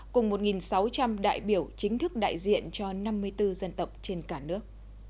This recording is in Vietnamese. cùng một sáu trăm linh đại biểu chính thức đại diện cho năm mươi bốn dân tộc trên cả nước